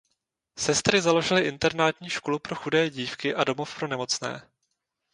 Sestry založily internátní školu pro chudé dívky a domov pro nemocné.